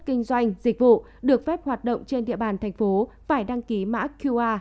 kinh doanh dịch vụ được phép hoạt động trên địa bàn thành phố phải đăng ký mã qr